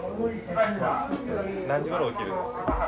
何時ごろ起きるんですか？